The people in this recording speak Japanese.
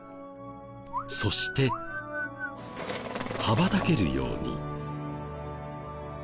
そして羽ばたけるように。